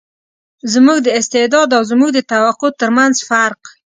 زموږ د استعداد او زموږ د توقع تر منځ فرق.